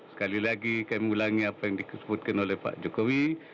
sekali lagi kami ulangi apa yang disebutkan oleh pak jokowi